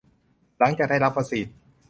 หลังจากได้รับวัคซีน